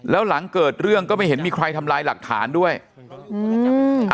แล้วหลังเกิดเรื่องก็ไม่เห็นมีใครทำลายหลักฐานด้วยอืมนะครับ